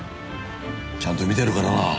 ちゃんと見てるからな。